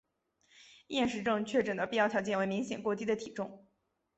厌食症确诊的必要条件为明显过低的体重。